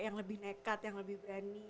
yang lebih nekat yang lebih berani